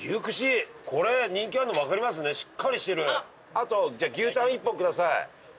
あと牛タン１本ください。